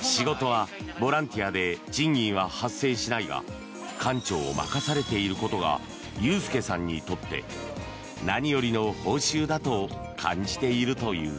仕事はボランティアで賃金は発生しないが館長を任されていることが裕介さんにとって何よりの報酬だと感じているという。